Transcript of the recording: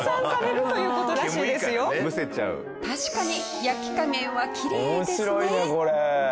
確かに焼き加減はキレイですね。